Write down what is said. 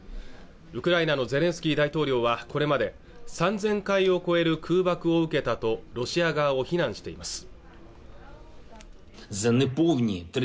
ウクライナのゼレンスキー大統領はこれまで３０００回を超える空爆を受けたとロシア側を非難しています